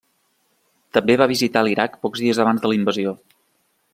També va visitar l'Iraq pocs dies abans de la invasió.